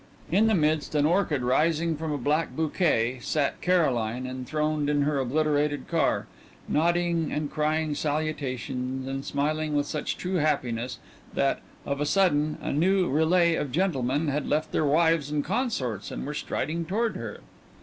In the midst, an orchid rising from a black bouquet, sat Caroline enthroned in her obliterated car, nodding and crying salutations and smiling with such true happiness that, of a sudden, a new relay of gentlemen had left their wives and consorts and were striding toward her.